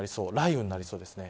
雷雨になりそうです。